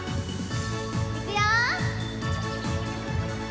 いくよ！